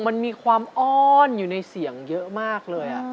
มันมีความอ้อนอยู่ในเสียงเยอะมากเลย